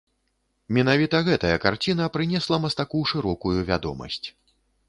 Менавіта гэтая карціна прынесла мастаку шырокую вядомасць.